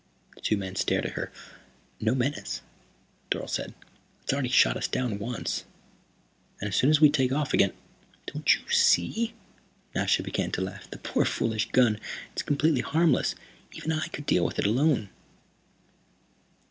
The two men stared at her. "No menace?" Dorle said. "It's already shot us down once. And as soon as we take off again " "Don't you see?" Nasha began to laugh. "The poor foolish gun, it's completely harmless. Even I could deal with it alone."